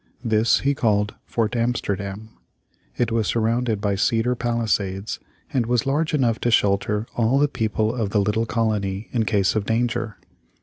This he called Fort Amsterdam. It was surrounded by cedar palisades, and was large enough to shelter all the people of the little colony in case of danger.